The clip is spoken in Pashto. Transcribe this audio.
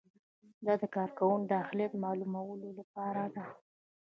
دا د کارکوونکي د اهلیت معلومولو لپاره ده.